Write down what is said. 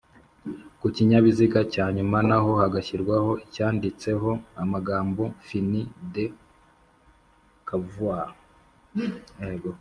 kukinyabiziga cyanyuma naho hagashyirwaho icyanditseho amagambo ‘’fin de cawvoi’’